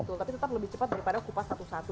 tapi tetap lebih cepat daripada kupas satu satu